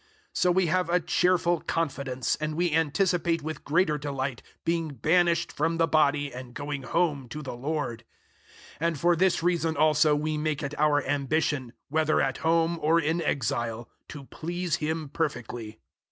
005:008 So we have a cheerful confidence, and we anticipate with greater delight being banished from the body and going home to the Lord. 005:009 And for this reason also we make it our ambition, whether at home or in exile, to please Him perfectly.